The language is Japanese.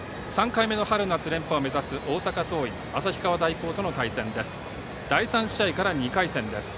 ３回目の春夏連覇を目指す大阪桐蔭は旭川大高との対戦です。